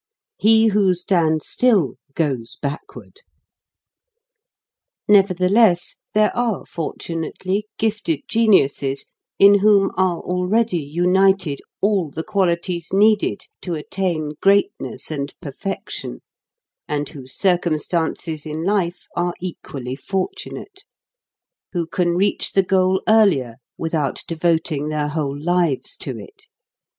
He who stands still, goes backward. Nevertheless, there are fortunately gifted geniuses in whom are already united all the qualities needed to attain greatness and per fection, and whose circumstances in life are equally fortunate; who can reach the goal earlier, without devoting their whole lives to it.